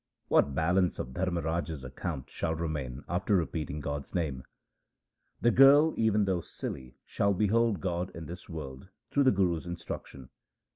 What balance of Dharmraj's account shall remain after repeating God's name ? The girl even though silly shall behold God in this world through the Guru's instruction.